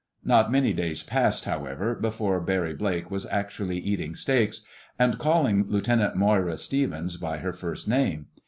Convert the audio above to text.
Not many days passed, however, before Barry Blake was actually eating steaks and calling Lieutenant Moira Stevens by her first name.